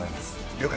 了解。